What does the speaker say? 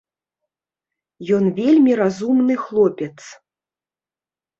Ён вельмі разумны хлопец.